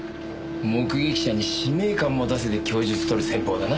目撃者に使命感持たせて供述とる戦法だな。